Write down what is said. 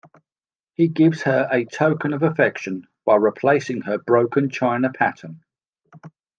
He gives her a token of affection by replacing her broken china pattern.